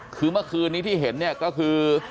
คือเมื่อคืนนี้ที่เห็นเนี่ยก็คือ